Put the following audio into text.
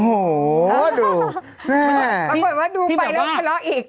โอ้โหดูไงประกอบว่าดูไปแล้วเล่าอีก